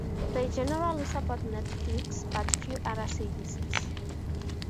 They generally support Netflix, but few other services.